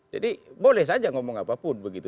jadi boleh saja ngomong apapun begitu